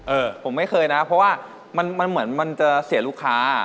เออผมไม่เคยนะเพราะว่ามันเหมือนมันจะเสียลูกค้า